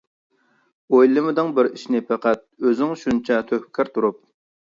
ئويلىمىدىڭ بىر ئىشنى پەقەت، ئۆزۈڭ شۇنچە تۆھپىكار تۇرۇپ.